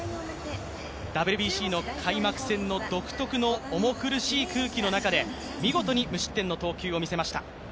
ＷＢＣの開幕戦の独特の重苦しい空気の中で見事に無失点の投球を見せました。